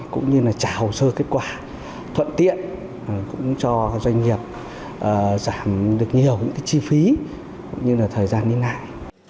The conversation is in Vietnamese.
cũng như là trả hồ sơ kết quả thuận tiện cũng cho doanh nghiệp giảm được nhiều những cái chi phí cũng như là thời gian đi lại